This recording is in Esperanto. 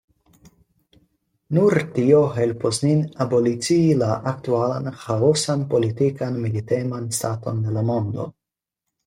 Nur tio helpos nin abolicii la aktualan ĥaosan politikan militeman staton de la mondo.